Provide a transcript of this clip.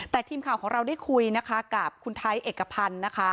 แต่ทีมข่าวของเราได้คุยนะคะกับคุณไทยเอกพันธ์นะคะ